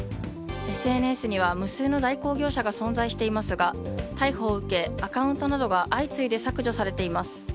ＳＮＳには無数の代行業者が存在していますが逮捕を受けアカウントなどが、相次いで削除されています。